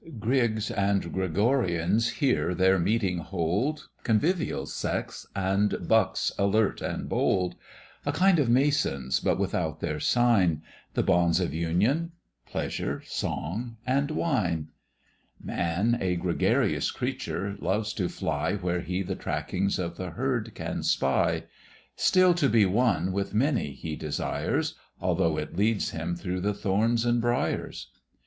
Griggs and Gregorians here their meeting hold, Convivial Sects, and Bucks alert and bold; A kind of Masons, but without their sign; The bonds of union pleasure, song, and wine. Man, a gregarious creature, loves to fly Where he the trackings of the herd can spy; Still to be one with many he desires, Although it leads him through the thorns and briers.